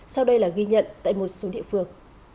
sau đây là ghi nhận tại một số địa phương